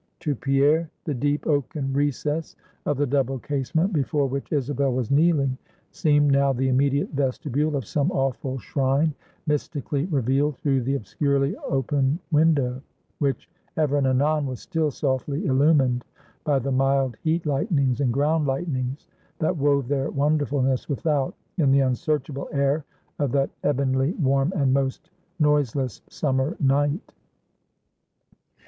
To Pierre, the deep oaken recess of the double casement, before which Isabel was kneeling, seemed now the immediate vestibule of some awful shrine, mystically revealed through the obscurely open window, which ever and anon was still softly illumined by the mild heat lightnings and ground lightnings, that wove their wonderfulness without, in the unsearchable air of that ebonly warm and most noiseless summer night.